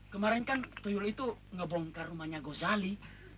kemarin kan tuyu itu ngebongkar rumahnya gozali